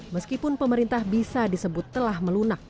meskipun pemerintah bisa disebut telah melunak